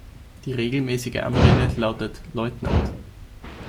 Die regelmäßige Anrede lautet "Lieutenant".